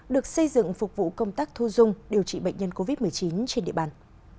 được xây dựng phục vụ công tác thu dung điều trị bệnh nhân covid một mươi chín trên địa bàn